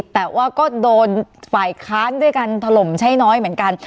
แต่ว่าก็โดนฝ่ายค้านได้การทำลมชัยน้อยเหมือนกัน